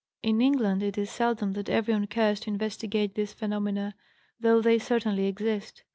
In England it is seldom that anyone cares to investigate these phenomena, though, they certainly exist.